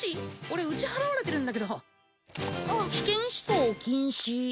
俺打ち祓われてるんだけどあっ危険思想禁止